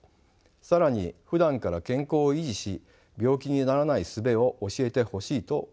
更にふだんから健康を維持し病気にならないすべを教えてほしいと思うでしょう。